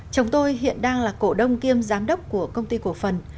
chồng tôi hiện đang là cổ đông kiêm giám đốc của công ty cổ phần